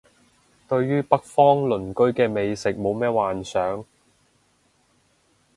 對於北方鄰居嘅美食冇咩幻想